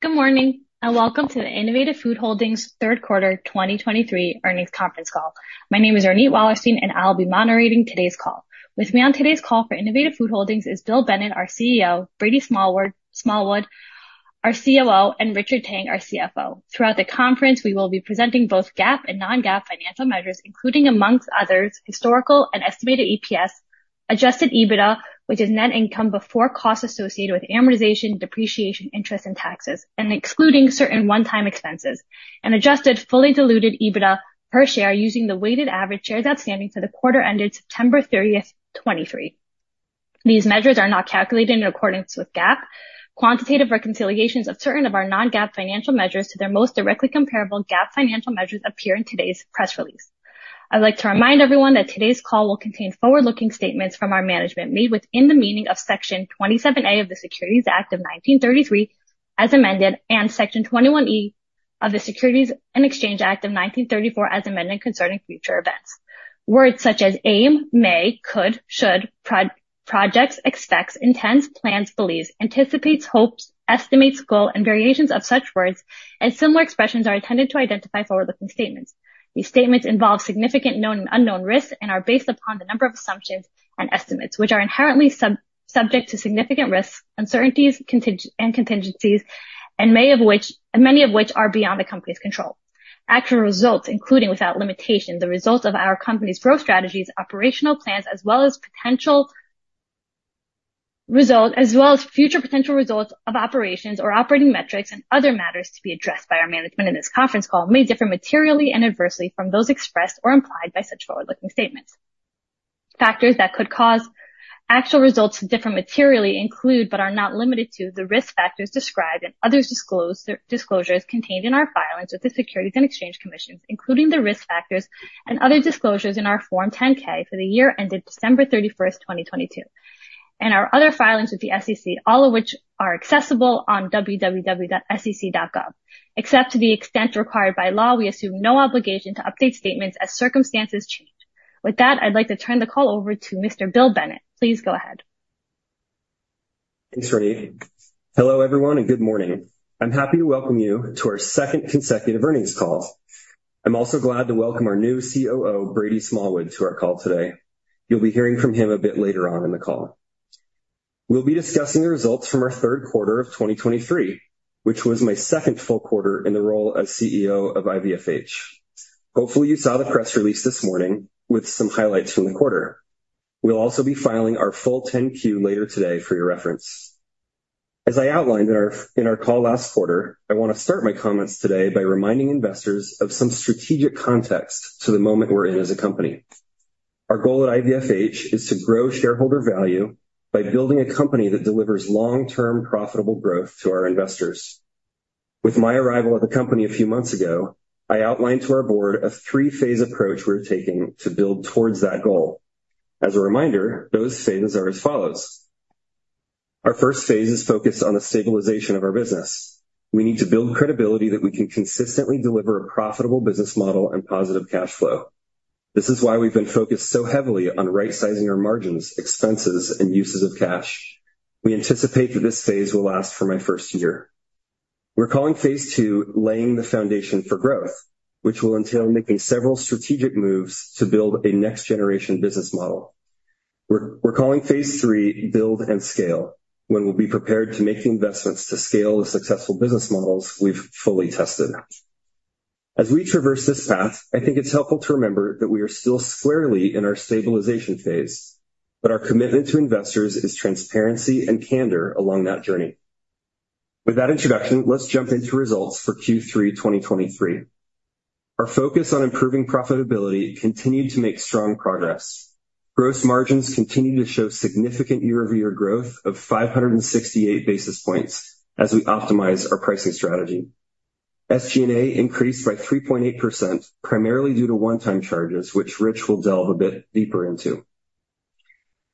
Good morning, and welcome to the Innovative Food Holdings third quarter 2023 earnings conference call. My name is Ronit Wallerstein, and I'll be moderating today's call. With me on today's call for Innovative Food Holdings is Bill Bennett, our CEO, Brady Smallwood, our COO, and Richard Tang, our CFO. Throughout the conference, we will be presenting both GAAP and non-GAAP financial measures, including, among others, historical and estimated EPS, Adjusted EBITDA, which is net income before costs associated with amortization, depreciation, interest, and taxes, and excluding certain one-time expenses, and adjusted fully diluted EBITDA per share using the weighted average shares outstanding for the quarter ended September 30, 2023. These measures are not calculated in accordance with GAAP. Quantitative reconciliations of certain of our non-GAAP financial measures to their most directly comparable GAAP financial measures appear in today's press release. I'd like to remind everyone that today's call will contain forward-looking statements from our management made within the meaning of Section 27A of the Securities Act of 1933, as amended, and Section 21E of the Securities and Exchange Act of 1934, as amended, concerning future events. Words such as aim, may, could, should, projects, expects, intends, plans, believes, anticipates, hopes, estimates, goal, and variations of such words and similar expressions are intended to identify forward-looking statements. These statements involve significant known and unknown risks and are based upon a number of assumptions and estimates, which are inherently subject to significant risks, uncertainties, and contingencies, many of which are beyond the company's control. Actual results, including without limitation, the results of our company's growth strategies, operational plans, as well as potential result, as well as future potential results of operations or operating metrics and other matters to be addressed by our management in this conference call, may differ materially and adversely from those expressed or implied by such forward-looking statements. Factors that could cause actual results to differ materially include, but are not limited to, the risk factors described in other disclosed, disclosures contained in our filings with the Securities and Exchange Commission, including the risk factors and other disclosures in our Form 10-K for the year ended December 31, 2022, and our other filings with the SEC, all of which are accessible on www.sec.gov. Except to the extent required by law, we assume no obligation to update statements as circumstances change. With that, I'd like to turn the call over to Mr. Bill Bennett. Please go ahead. Thanks, Ronit. Hello, everyone, and good morning. I'm happy to welcome you to our second consecutive earnings call. I'm also glad to welcome our new COO, Brady Smallwood, to our call today. You'll be hearing from him a bit later on in the call. We'll be discussing the results from our third quarter of 2023, which was my second full quarter in the role as CEO of IVFH. Hopefully, you saw the press release this morning with some highlights from the quarter. We'll also be filing our full 10-Q later today for your reference. As I outlined in our call last quarter, I want to start my comments today by reminding investors of some strategic context to the moment we're in as a company. Our goal at IVFH is to grow shareholder value by building a company that delivers long-term profitable growth to our investors. With my arrival at the company a few months ago, I outlined to our board a three-phase approach we're taking to build towards that goal. As a reminder, those phases are as follows: Our first phase is focused on the stabilization of our business. We need to build credibility that we can consistently deliver a profitable business model and positive cash flow. This is why we've been focused so heavily on right-sizing our margins, expenses, and uses of cash. We anticipate that this phase will last for my first year. We're calling phase two laying the foundation for growth, which will entail making several strategic moves to build a next-generation business model. We're calling phase three, build and scale, when we'll be prepared to make investments to scale the successful business models we've fully tested. As we traverse this path, I think it's helpful to remember that we are still squarely in our stabilization phase, but our commitment to investors is transparency and candor along that journey. With that introduction, let's jump into results for Q3 2023. Our focus on improving profitability continued to make strong progress. Gross margins continued to show significant year-over-year growth of 568 basis points as we optimize our pricing strategy. SG&A increased by 3.8%, primarily due to one-time charges, which Rich will delve a bit deeper into.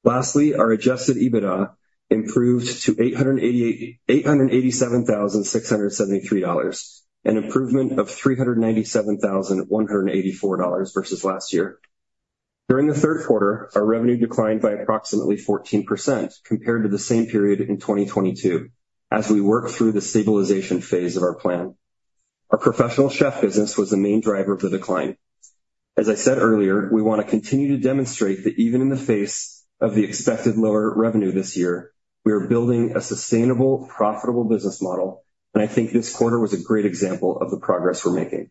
Lastly, our Adjusted EBITDA improved to $887,673, an improvement of $397,184 versus last year. During the third quarter, our revenue declined by approximately 14% compared to the same period in 2022 as we worked through the stabilization phase of our plan. Our Professional Chef business was the main driver of the decline. As I said earlier, we want to continue to demonstrate that even in the face of the expected lower revenue this year, we are building a sustainable, profitable business model, and I think this quarter was a great example of the progress we're making.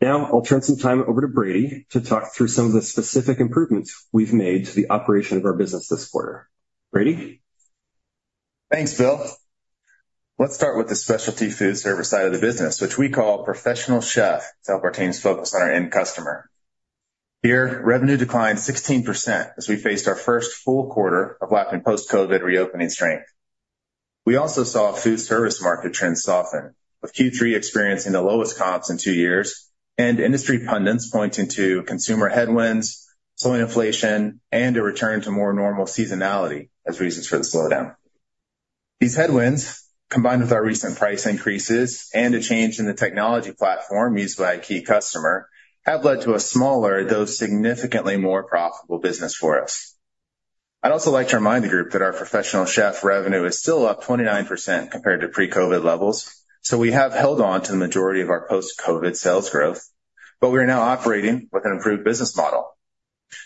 Now, I'll turn some time over to Brady to talk through some of the specific improvements we've made to the operation of our business this quarter. Brady? Thanks, Bill. Let's start with the Specialty Food Service side of the business, which we call Professional Chef, to help our teams focus on our end customer. Here, revenue declined 16% as we faced our first full quarter of lacking post-COVID reopening strength. We also saw food service market trends soften, with Q3 experiencing the lowest comps in two years and industry pundits pointing to consumer headwinds, slowing inflation, and a return to more normal seasonality as reasons for the slowdown. These headwinds, combined with our recent price increases and a change in the technology platform used by a key customer, have led to a smaller, though significantly more profitable business for us.... I'd also like to remind the group that our Professional Chef revenue is still up 29% compared to pre-COVID levels, so we have held on to the majority of our post-COVID sales growth, but we are now operating with an improved business model.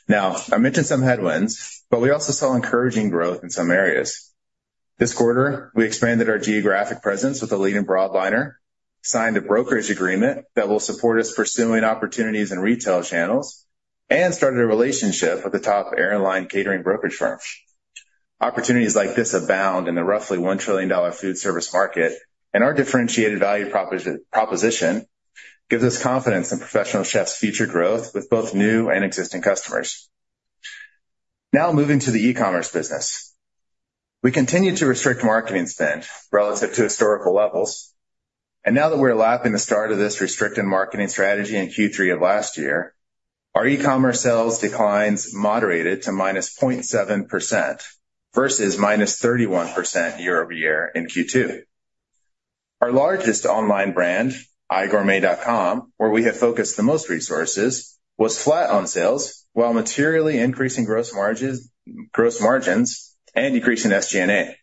Now, I mentioned some headwinds, but we also saw encouraging growth in some areas. This quarter, we expanded our geographic presence with a leading broadliner, signed a brokerage agreement that will support us pursuing opportunities in retail channels, and started a relationship with a top airline catering brokerage firm. Opportunities like this abound in the roughly $1 trillion food service market, and our differentiated value proposition gives us confidence in Professional Chefs' future growth with both new and existing customers. Now, moving to the e-commerce business. We continue to restrict marketing spend relative to historical levels, and now that we're lapping the start of this restricted marketing strategy in Q3 of last year, our e-commerce sales declines moderated to −0.7% versus −31% year-over-year in Q2. Our largest online brand, igourmet.com, where we have focused the most resources, was flat on sales, while materially increasing gross margins, gross margins and decreasing SG&A.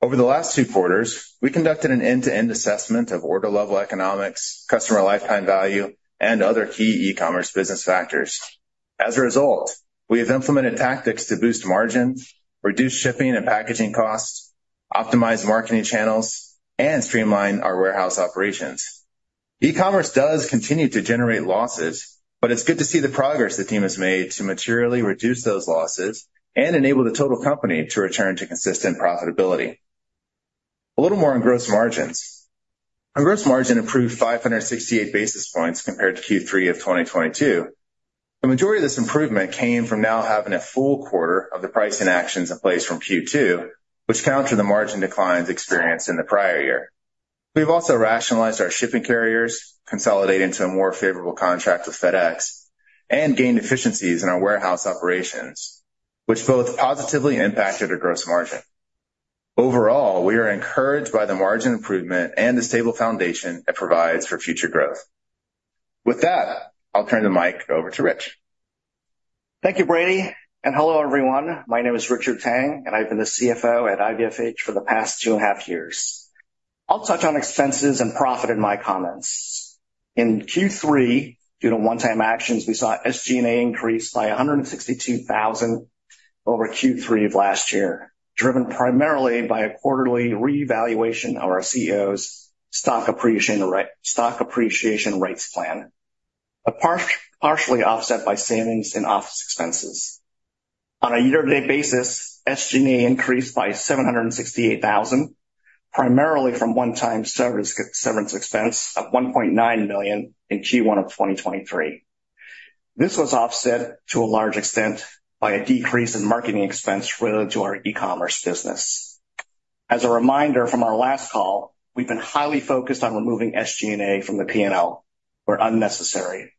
Over the last two quarters, we conducted an end-to-end assessment of order level economics, customer lifetime value, and other key e-commerce business factors. As a result, we have implemented tactics to boost margin, reduce shipping and packaging costs, optimize marketing channels, and streamline our warehouse operations. E-commerce does continue to generate losses, but it's good to see the progress the team has made to materially reduce those losses and enable the total company to return to consistent profitability. A little more on gross margins. Our gross margin improved 568 basis points compared to Q3 of 2022. The majority of this improvement came from now having a full quarter of the pricing actions in place from Q2, which counter the margin declines experienced in the prior year. We've also rationalized our shipping carriers, consolidated into a more favorable contract with FedEx, and gained efficiencies in our warehouse operations, which both positively impacted the gross margin. Overall, we are encouraged by the margin improvement and the stable foundation it provides for future growth. With that, I'll turn the mic over to Rich. Thank you, Brady, and hello, everyone. My name is Richard Tang, and I've been the CFO at IVFH for the past 2.5 years. I'll touch on expenses and profit in my comments. In Q3, due to one-time actions, we saw SG&A increase by $162,000 over Q3 of last year, driven primarily by a quarterly revaluation of our CEO's stock appreciation rights plan, partially offset by savings in office expenses. On a year-to-date basis, SG&A increased by $768,000, primarily from one-time severance expense of $1.9 million in Q1 of 2023. This was offset to a large extent by a decrease in marketing expense related to our e-commerce business. As a reminder from our last call, we've been highly focused on removing SG&A from the P&L where unnecessary,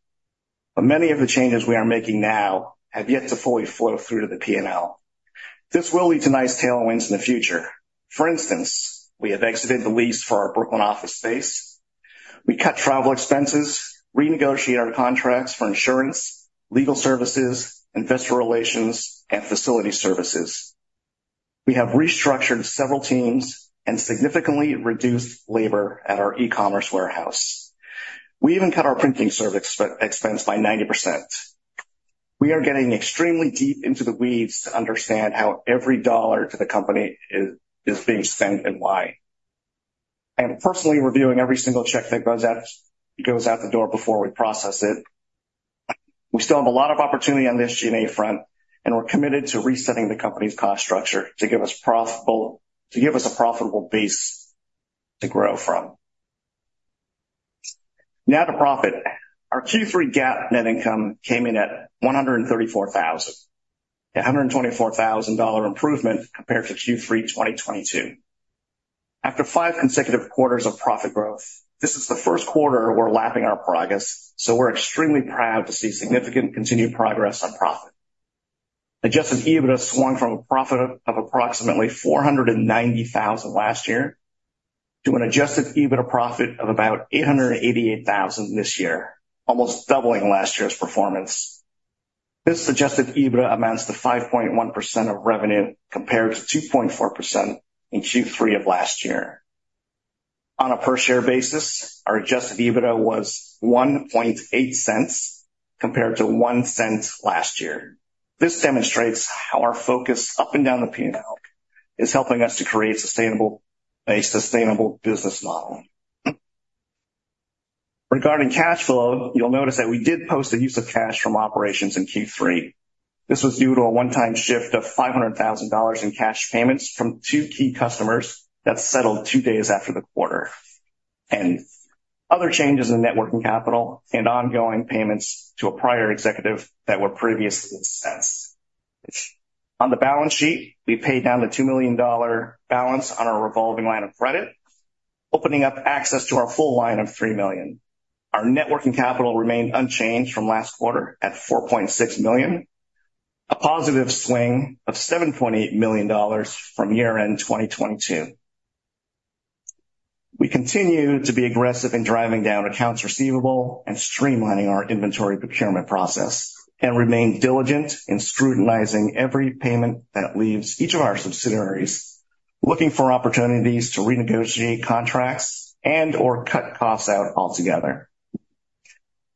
but many of the changes we are making now have yet to fully flow through to the P&L. This will lead to nice tailwinds in the future. For instance, we have exited the lease for our Brooklyn office space. We cut travel expenses, renegotiated our contracts for insurance, legal services, investor relations, and facility services. We have restructured several teams and significantly reduced labor at our e-commerce warehouse. We even cut our printing service expense by 90%. We are getting extremely deep into the weeds to understand how every dollar to the company is being spent and why. I'm personally reviewing every single check that goes out the door before we process it. We still have a lot of opportunity on the SG&A front, and we're committed to resetting the company's cost structure to give us profitable, to give us a profitable base to grow from. Now to profit. Our Q3 GAAP net income came in at $134,000, a $124,000 improvement compared to Q3 2022. After five consecutive quarters of profit growth, this is the first quarter we're lapping our progress, so we're extremely proud to see significant continued progress on profit. Adjusted EBITDA swung from a profit of approximately $490,000 last year to an Adjusted EBITDA profit of about $888,000 this year, almost doubling last year's performance. This Adjusted EBITDA amounts to 5.1% of revenue, compared to 2.4% in Q3 of last year. On a per-share basis, our Adjusted EBITDA was $0.018, compared to $0.01 last year. This demonstrates how our focus up and down the P&L is helping us to create sustainable, a sustainable business model. Regarding cash flow, you'll notice that we did post a use of cash from operations in Q3. This was due to a one-time shift of $500,000 in cash payments from two key customers that settled two days after the quarter, and other changes in net working capital and ongoing payments to a prior executive that were previously assessed. On the balance sheet, we paid down the $2 million balance on our revolving line of credit, opening up access to our full line of $3 million. Our net working capital remained unchanged from last quarter at $4.6 million, a positive swing of $7.8 million from year-end 2022. Continue to be aggressive in driving down accounts receivable and streamlining our inventory procurement process, and remain diligent in scrutinizing every payment that leaves each of our subsidiaries, looking for opportunities to renegotiate contracts and or cut costs out altogether.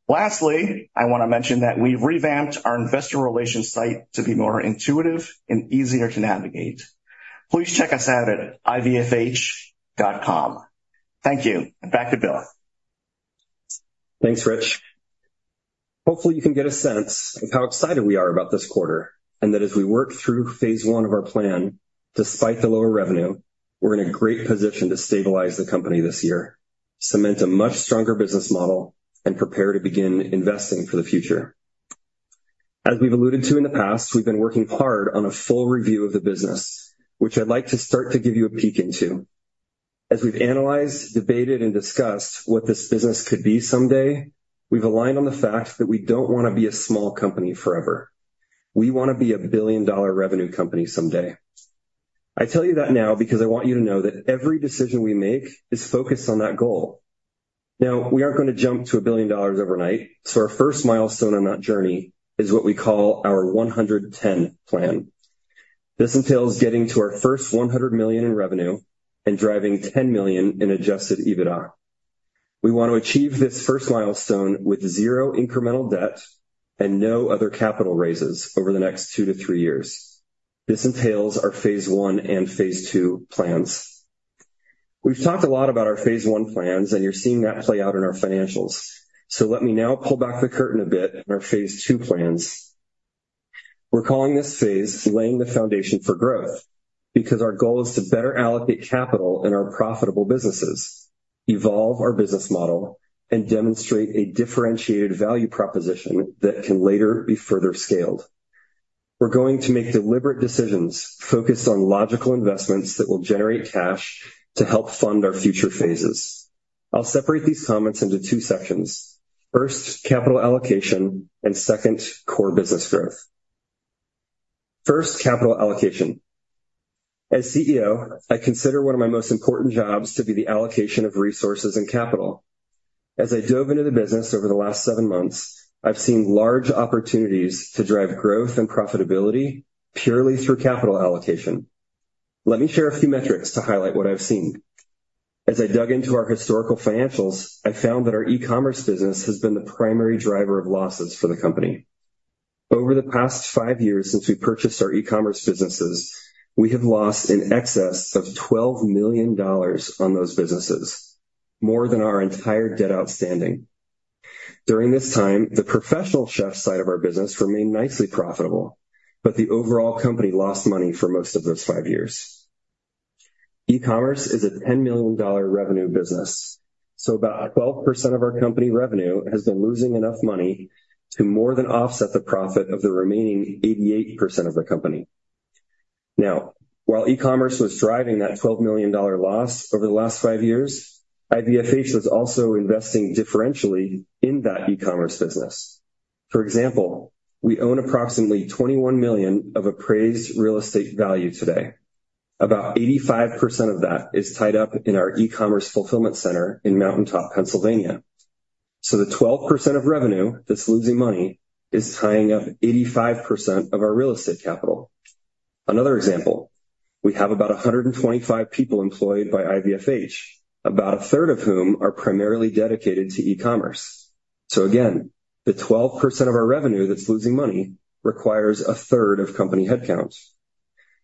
Lastly, I want to mention that we've revamped our investor relations site to be more intuitive and easier to navigate. Please check us out at ivfh.com. Thank you, and back to Bill. Thanks, Rich. Hopefully, you can get a sense of how excited we are about this quarter, and that as we work through phase one of our plan, despite the lower revenue, we're in a great position to stabilize the company this year, cement a much stronger business model, and prepare to begin investing for the future. As we've alluded to in the past, we've been working hard on a full review of the business, which I'd like to start to give you a peek into. As we've analyzed, debated, and discussed what this business could be someday, we've aligned on the fact that we don't want to be a small company forever. We want to be a billion-dollar revenue company someday. I tell you that now because I want you to know that every decision we make is focused on that goal. Now, we aren't going to jump to $1 billion overnight, so our first milestone on that journey is what we call our 110 plan. This entails getting to our first $100 million in revenue and driving $10 million in Adjusted EBITDA. We want to achieve this first milestone with zero incremental debt and no other capital raises over the next two-three years. This entails our phase one and phase two plans. We've talked a lot about our phase one plans, and you're seeing that play out in our financials. So let me now pull back the curtain a bit on our phase two plans. We're calling this phase laying the foundation for growth, because our goal is to better allocate capital in our profitable businesses, evolve our business model, and demonstrate a differentiated value proposition that can later be further scaled. We're going to make deliberate decisions focused on logical investments that will generate cash to help fund our future phases. I'll separate these comments into two sections. First, capital allocation, and second, core business growth. First, capital allocation. As CEO, I consider one of my most important jobs to be the allocation of resources and capital. As I dove into the business over the last seven months, I've seen large opportunities to drive growth and profitability purely through capital allocation. Let me share a few metrics to highlight what I've seen. As I dug into our historical financials, I found that our e-commerce business has been the primary driver of losses for the company. Over the past five years since we purchased our e-commerce businesses, we have lost in excess of $12 million on those businesses, more than our entire debt outstanding. During this time, the Professional Chef side of our business remained nicely profitable, but the overall company lost money for most of those five years. E-commerce is a $10 million revenue business, so about 12% of our company revenue has been losing enough money to more than offset the profit of the remaining 88% of the company. Now, while e-commerce was driving that $12 million loss over the last five years, IVFH was also investing differentially in that e-commerce business. For example, we own approximately $21 million of appraised real estate value today. About 85% of that is tied up in our e-commerce fulfillment center in Mountain Top, Pennsylvania. So the 12% of revenue that's losing money is tying up 85% of our real estate capital. Another example, we have about 125 people employed by IVFH, about a third of whom are primarily dedicated to e-commerce. So again, the 12% of our revenue that's losing money requires a third of company headcount.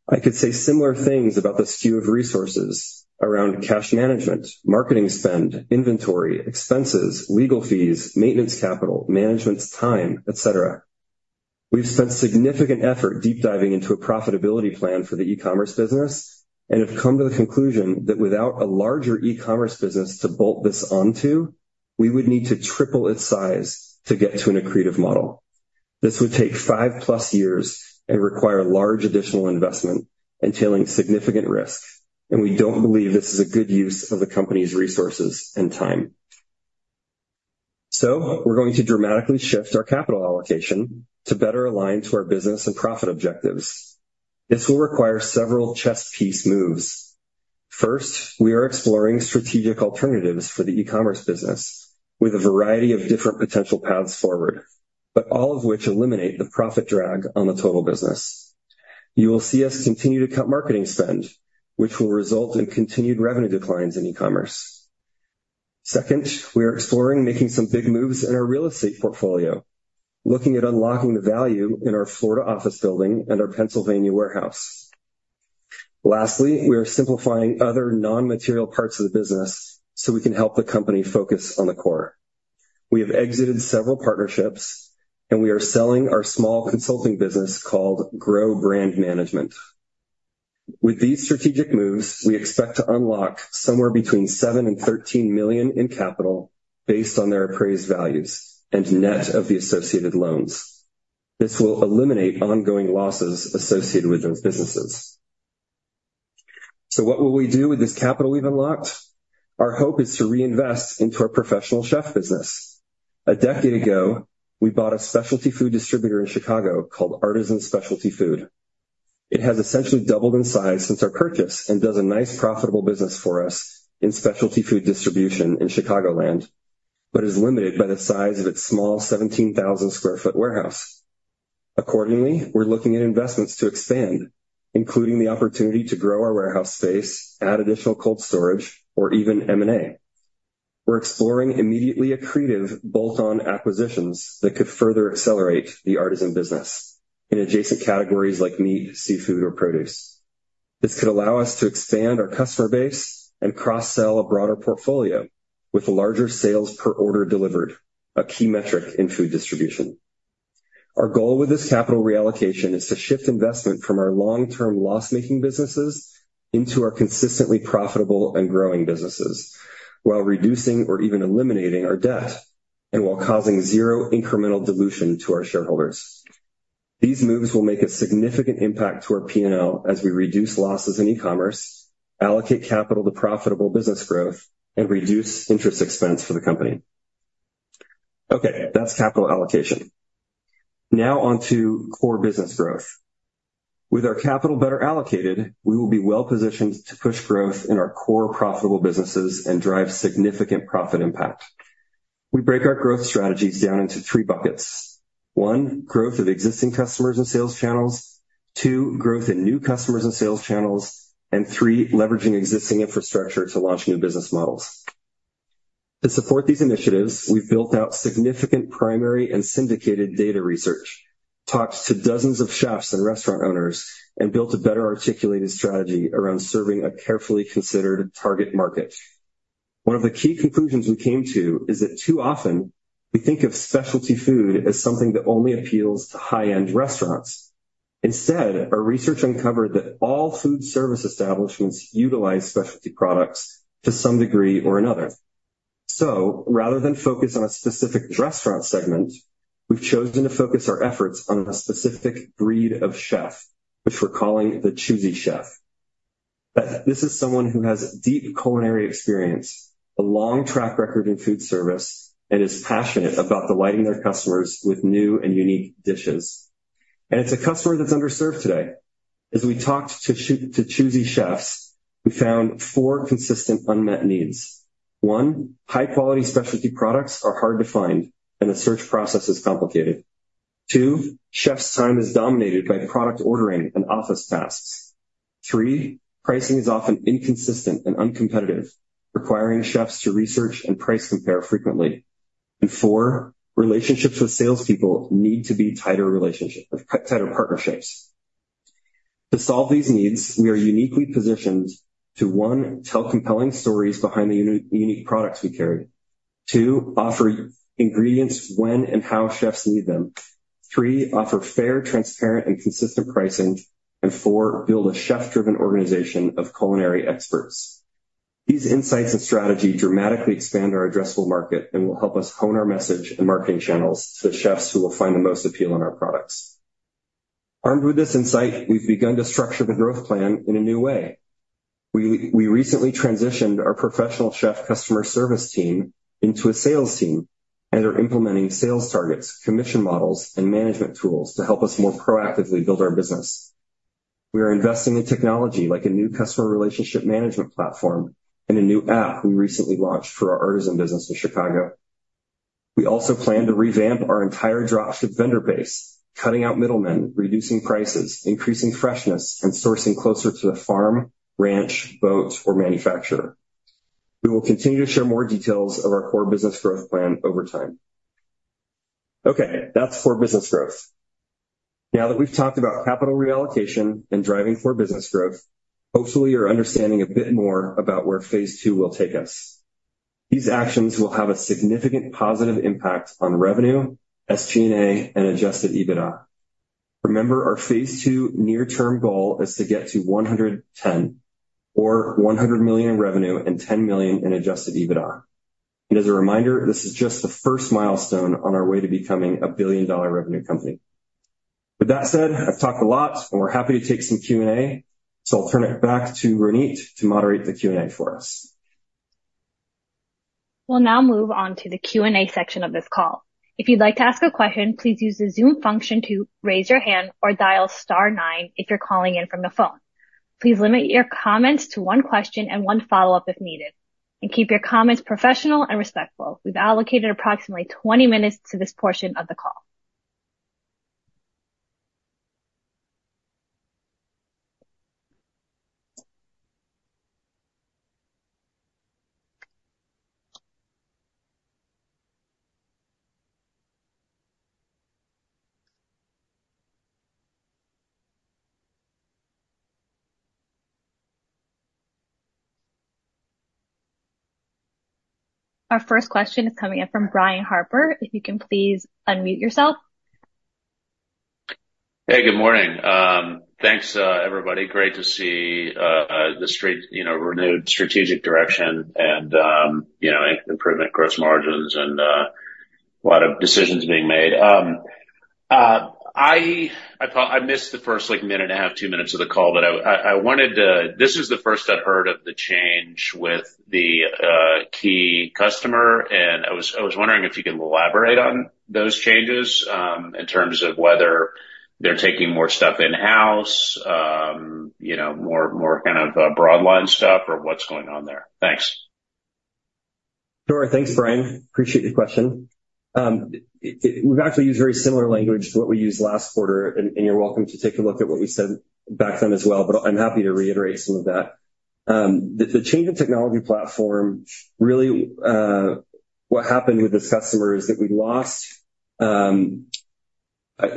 I could say similar things about the skew of resources around cash management, marketing spend, inventory, expenses, legal fees, maintenance, capital, management's time, et cetera. We've spent significant effort deep diving into a profitability plan for the e-commerce business and have come to the conclusion that without a larger e-commerce business to bolt this onto, we would need to triple its size to get to an accretive model. This would take 5+ years and require large additional investment, entailing significant risks, and we don't believe this is a good use of the company's resources and time. We're going to dramatically shift our capital allocation to better align to our business and profit objectives. This will require several chess piece moves. First, we are exploring strategic alternatives for the e-commerce business with a variety of different potential paths forward, but all of which eliminate the profit drag on the total business. You will see us continue to cut marketing spend, which will result in continued revenue declines in e-commerce. Second, we are exploring making some big moves in our real estate portfolio, looking at unlocking the value in our Florida office building and our Pennsylvania warehouse. Lastly, we are simplifying other non-material parts of the business so we can help the company focus on the core. We have exited several partnerships, and we are selling our small consulting business called Grow Brand Management. With these strategic moves, we expect to unlock somewhere between $7 million and $13 million in capital based on their appraised values and net of the associated loans. This will eliminate ongoing losses associated with those businesses. So what will we do with this capital we've unlocked? Our hope is to reinvest into our Professional Chef business. A decade ago, we bought a specialty food distributor in Chicago called Artisan Specialty Foods.... It has essentially doubled in size since our purchase and does a nice profitable business for us in specialty food distribution in Chicagoland, but is limited by the size of its small 17,000 sq ft warehouse. Accordingly, we're looking at investments to expand, including the opportunity to grow our warehouse space, add additional cold storage, or even M&A. We're exploring immediately accretive bolt-on acquisitions that could further accelerate the Artisan business in adjacent categories like meat, seafood, or produce. This could allow us to expand our customer base and cross-sell a broader portfolio with larger sales per order delivered, a key metric in food distribution. Our goal with this capital reallocation is to shift investment from our long-term loss-making businesses into our consistently profitable and growing businesses, while reducing or even eliminating our debt and while causing zero incremental dilution to our shareholders. These moves will make a significant impact to our P&L as we reduce losses in e-commerce, allocate capital to profitable business growth, and reduce interest expense for the company. Okay, that's capital allocation. Now on to core business growth. With our capital better allocated, we will be well positioned to push growth in our core profitable businesses and drive significant profit impact. We break our growth strategies down into three buckets. One, growth of existing customers and sales channels. Two, growth in new customers and sales channels, and three, leveraging existing infrastructure to launch new business models. To support these initiatives, we've built out significant primary and syndicated data research, talked to dozens of chefs and restaurant owners, and built a better articulated strategy around serving a carefully considered target market. One of the key conclusions we came to is that too often we think of specialty food as something that only appeals to high-end restaurants. Instead, our research uncovered that all food service establishments utilize specialty products to some degree or another. So rather than focus on a specific restaurant segment, we've chosen to focus our efforts on a specific breed of chef, which we're calling the Choosy Chef. This is someone who has deep culinary experience, a long track record in food service, and is passionate about delighting their customers with new and unique dishes. It's a customer that's underserved today. As we talked to Choosy Chefs, we found four consistent unmet needs. One, high quality specialty products are hard to find, and the search process is complicated. Two, chefs' time is dominated by product ordering and office tasks. Three, pricing is often inconsistent and uncompetitive, requiring chefs to research and price compare frequently. And four, relationships with salespeople need to be tighter relationships, tighter partnerships. To solve these needs, we are uniquely positioned to, one, tell compelling stories behind the unique products we carry. Two, offer ingredients when and how chefs need them. Three, offer fair, transparent, and consistent pricing. And four, build a chef-driven organization of culinary experts. These insights and strategy dramatically expand our addressable market and will help us hone our message and marketing channels to the chefs who will find the most appeal in our products. Armed with this insight, we've begun to structure the growth plan in a new way. We recently transitioned our Professional Chef customer service team into a sales team and are implementing sales targets, commission models, and management tools to help us more proactively build our business. We are investing in technology like a new customer relationship management platform and a new app we recently launched for our Artisan business in Chicago. We also plan to revamp our entire dropship vendor base, cutting out middlemen, reducing prices, increasing freshness, and sourcing closer to the farm, ranch, boats, or manufacturer. We will continue to share more details of our core business growth plan over time. Okay, that's core business growth. Now that we've talked about capital reallocation and driving core business growth, hopefully you're understanding a bit more about where phase two will take us. These actions will have a significant positive impact on revenue, SG&A, and Adjusted EBITDA. Remember, our phase two near-term goal is to get to 110 or 100 million in revenue and $10 million in Adjusted EBITDA. As a reminder, this is just the first milestone on our way to becoming a billion-dollar revenue company. With that said, I've talked a lot, and we're happy to take some Q&A, so I'll turn it back to Ronit to moderate the Q&A for us. We'll now move on to the Q&A section of this call. If you'd like to ask a question, please use the Zoom function to raise your hand or dial star nine if you're calling in from the phone. Please limit your comments to one question and one follow-up if needed, and keep your comments professional and respectful. We've allocated approximately 20 minutes to this portion of the call. Our first question is coming in from Brian Harper. If you can please unmute yourself. Hey, good morning. Thanks, everybody. Great to see the strat, you know, renewed strategic direction and, you know, improvement gross margins and a lot of decisions being made. I missed the first, like, minute and a half, two minutes of the call, but I wanted to... This is the first I'd heard of the change with the key customer, and I was wondering if you could elaborate on those changes in terms of whether they're taking more stuff in-house, you know, more, more kind of broad line stuff, or what's going on there? Thanks.... Sure. Thanks, Brian. Appreciate the question. We've actually used very similar language to what we used last quarter, and you're welcome to take a look at what we said back then as well, but I'm happy to reiterate some of that. The change in technology platform, really, what happened with this customer is that we lost, I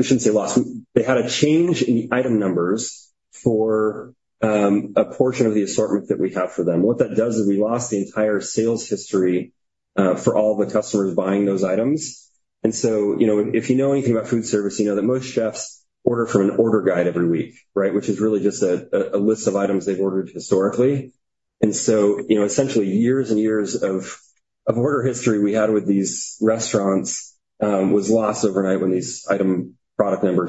shouldn't say lost. They had a change in the item numbers for a portion of the assortment that we have for them. What that does is we lost the entire sales history for all the customers buying those items. And so, you know, if you know anything about food service, you know that most chefs order from an order guide every week, right? Which is really just a list of items they've ordered historically. And so, you know, essentially, years and years of order history we had with these restaurants was lost overnight when these item product number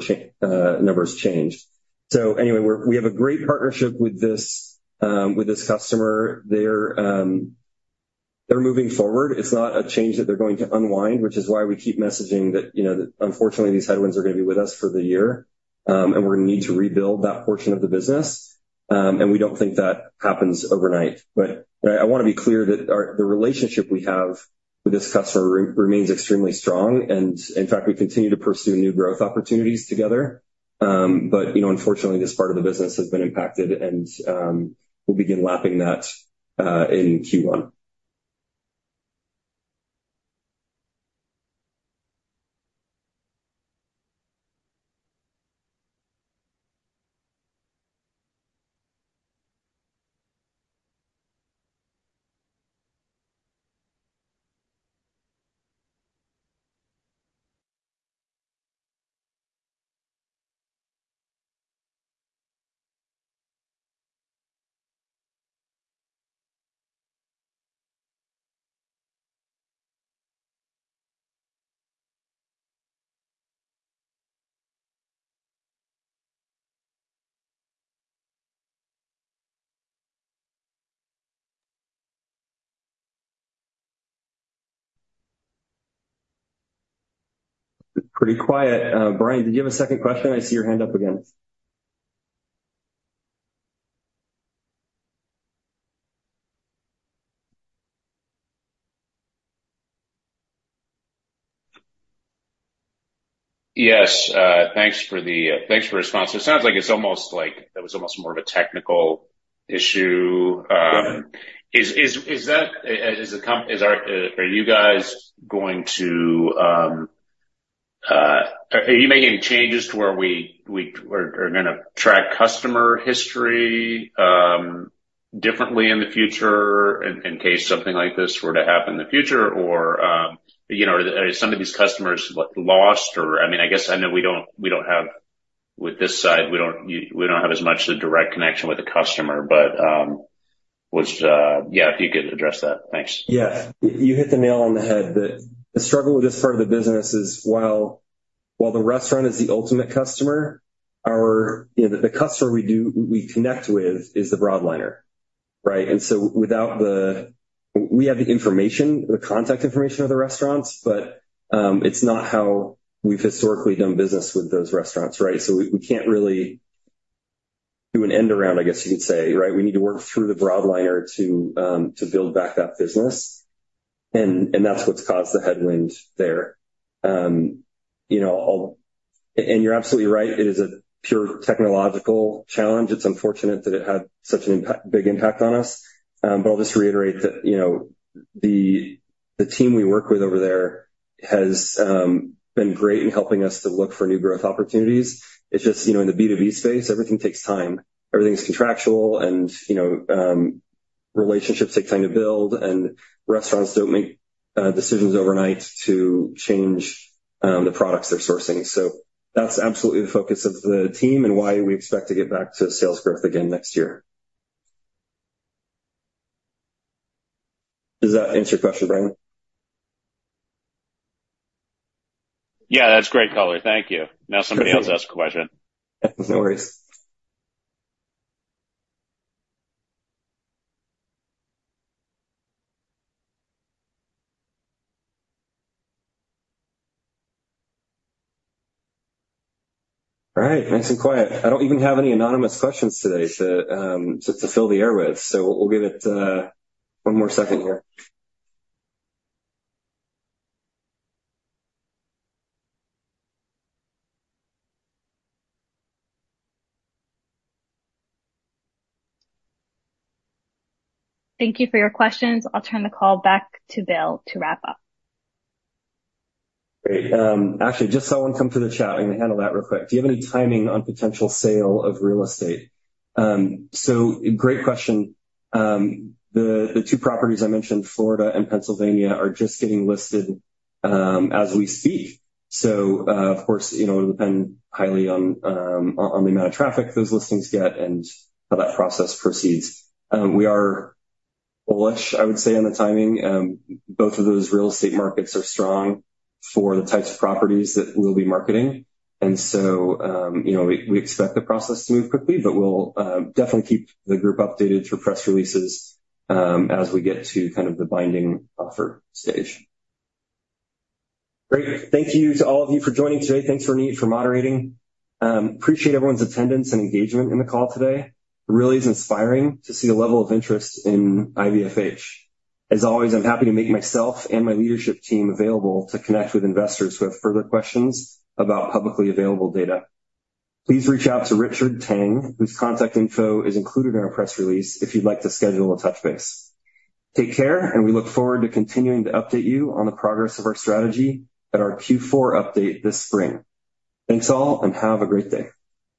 numbers changed. So anyway, we have a great partnership with this customer. They're moving forward. It's not a change that they're going to unwind, which is why we keep messaging that, you know, that unfortunately, these headwinds are going to be with us for the year. And we're going to need to rebuild that portion of the business. And we don't think that happens overnight. But I want to be clear that our the relationship we have with this customer remains extremely strong, and in fact, we continue to pursue new growth opportunities together. But you know, unfortunately, this part of the business has been impacted, and we'll begin lapping that in Q1. It's pretty quiet. Brian, did you have a second question? I see your hand up again. Yes, thanks for the, thanks for the response. It sounds like it's almost like that was almost more of a technical issue. Yeah. Are you guys going to are you making any changes to where we are gonna track customer history differently in the future in case something like this were to happen in the future? Or, you know, are some of these customers lost? Or, I mean, I guess I know we don't have with this side, we don't have as much the direct connection with the customer, but which yeah, if you could address that. Thanks. Yeah. You hit the nail on the head. The struggle with this part of the business is, while the restaurant is the ultimate customer, you know, the customer we connect with is the broadliner, right? And so without the... We have the information, the contact information of the restaurants, but it's not how we've historically done business with those restaurants, right? So we can't really do an end around, I guess you could say, right? We need to work through the broadliner to build back that business. And that's what's caused the headwind there. You know, and you're absolutely right, it is a pure technological challenge. It's unfortunate that it had such an impact, big impact on us. But I'll just reiterate that, you know, the team we work with over there has been great in helping us to look for new growth opportunities. It's just, you know, in the B2B space, everything takes time, everything's contractual and, you know, relationships take time to build, and restaurants don't make decisions overnight to change the products they're sourcing. So that's absolutely the focus of the team and why we expect to get back to sales growth again next year. Does that answer your question, Brian? Yeah, that's great, color. Thank you. Now somebody else ask a question. No worries. All right. Nice and quiet. I don't even have any anonymous questions today to fill the air with. So we'll give it one more second here. Thank you for your questions. I'll turn the call back to Bill to wrap up. Great. Actually, just saw one come through the chat. I'm going to handle that real quick. "Do you have any timing on potential sale of real estate?" So great question. The two properties I mentioned, Florida and Pennsylvania, are just getting listed as we speak. So, of course, you know, it will depend highly on the amount of traffic those listings get and how that process proceeds. We are bullish, I would say, on the timing. Both of those real estate markets are strong for the types of properties that we'll be marketing. And so, you know, we expect the process to move quickly, but we'll definitely keep the group updated through press releases as we get to kind of the binding offer stage. Great. Thank you to all of you for joining today. Thanks, Ronit, for moderating. Appreciate everyone's attendance and engagement in the call today. It really is inspiring to see the level of interest in IVFH. As always, I'm happy to make myself and my leadership team available to connect with investors who have further questions about publicly available data. Please reach out to Richard Tang, whose contact info is included in our press release, if you'd like to schedule a touch base. Take care, and we look forward to continuing to update you on the progress of our strategy at our Q4 update this spring. Thanks, all, and have a great day.